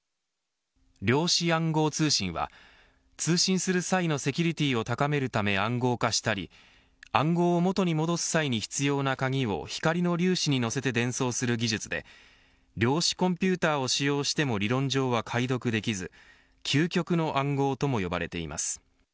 量子暗号通信は通信する際のセキュリティを高めるため暗号化したり暗号を元に戻す際に必要な鍵を光の粒子に乗せて伝送する技術で量子コンピューターを使用しても理論上は解読できず究極の暗号とも呼ばれています。